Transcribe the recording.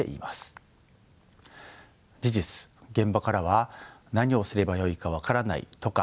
事実現場からは何をすればよいか分からないとか